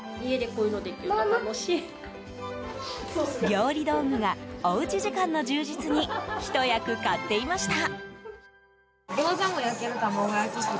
料理道具がおうち時間の充実にひと役買っていました。